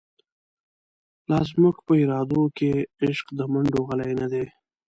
لازموږ په ارادوکی، عشق دمنډوغلی نه دی